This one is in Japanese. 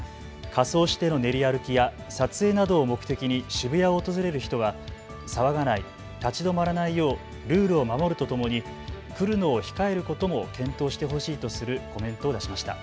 仮装しての練り歩きや撮影などを目的に渋谷を訪れる人は騒がない、立ち止まらないようルールを守るとともに来るのを控えることも検討してほしいとするコメントを出しました。